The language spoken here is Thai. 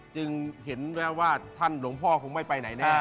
จึงเห็นแววว่าท่านหลวงพ่อคงไม่ไปไหนแน่